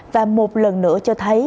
và một lần nữa cho thấy